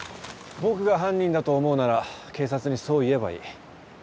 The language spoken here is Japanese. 僕が犯人だと思うなら警察にそう言えばいい。